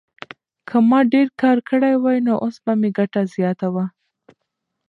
که ما ډېر کار کړی وای نو اوس به مې ګټه زیاته وه.